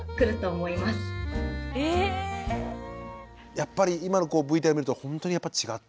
やっぱり今のＶＴＲ見るとほんとにやっぱ違う。